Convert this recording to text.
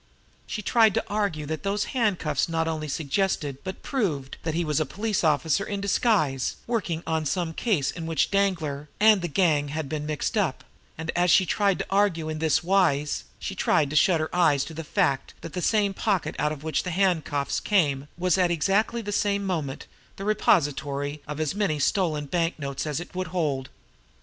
She had tried to argue that those handcuffs not only suggested, but proved, he was a police officer in disguise, working on some case in which Danglar and the gang had been mixed up; and, as she tried to argue in this wise, she tried to shut her eyes to the fact that the same pocket out of which the handcuffs came was at exactly the same moment the repository of as many stolen banknotes as it would hold.